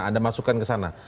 anda masukkan ke sana